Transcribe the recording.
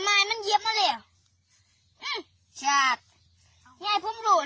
ผมจับเมศเจ๊กไปเม็ดเละเจ๊กเหนือกป้าไปคลายเม็ดเละ